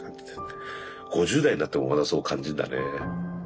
５０代になってもまだそう感じんだね。